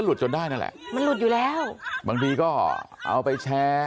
จนได้นั่นแหละมันหลุดอยู่แล้วบางทีก็เอาไปแชร์